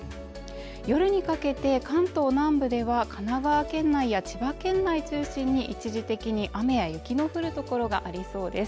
夜にかけて関東南部では神奈川県内や千葉県内を中心に一時的に雨や雪の降るところがありそうです。